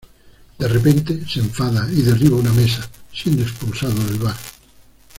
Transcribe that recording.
De repente, se enfada y derriba una mesa, siendo expulsado del bar.